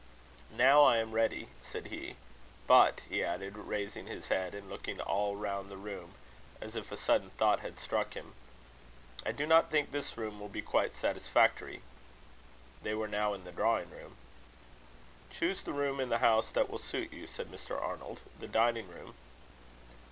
"Now I am ready," said he. "But," he added, raising his head, and looking all round the room, as if a sudden thought had struck him "I do not think this room will be quite satisfactory." They were now in the drawing room. "Choose the room in the house that will suit you," said Mr. Arnold. "The dining room?"